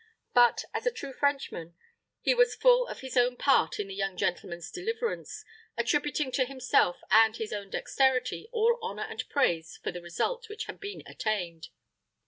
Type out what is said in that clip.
But, as a true Frenchman, he was full of his own part in the young gentleman's deliverance, attributing to himself and his own dexterity all honor and praise for the result which had been attained.